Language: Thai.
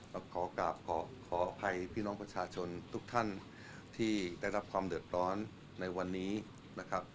ก็ขอกลับขออภัยพี่น้องประชาชนทุกท่านที่ได้รับความเดือดร้อนในวันนี้นะครับ